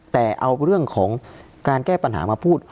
แต่เอาเรื่องของการแก้ปัญหามาพูด